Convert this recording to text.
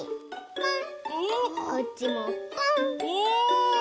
ポン！